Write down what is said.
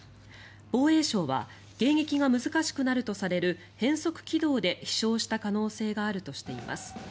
防衛省は迎撃が難しくなるとされる変則軌道で飛翔した可能性があるとしています。